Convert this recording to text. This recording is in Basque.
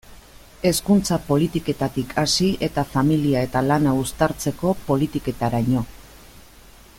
Hezkuntza politiketatik hasi eta familia eta lana uztartzeko politiketaraino.